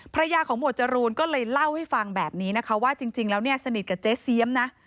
ภรรยาของหมวดจรูนก็เลยเล่าให้ฟังแบบนี้นะคะว่าจริงแล้วเนี่ยสนิทกับเจ๊เสียมนะ